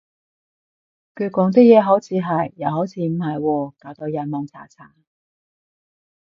佢講啲嘢，好似係，又好似唔係喎，搞到人矇查查